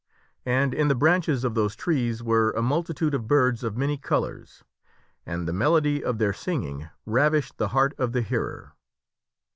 And in the branches of those trees were a multitude of birds of many colors, and the melody of their singing ravished the heart of the hearer.